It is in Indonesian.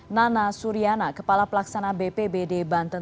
nana suryana kepala pelaksana bpbd banten